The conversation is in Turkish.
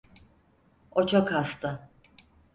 O çok hasta.